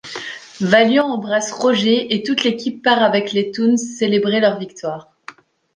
Valiant embrasse Roger et toute l'équipe part avec les Toons célébrer leur victoire.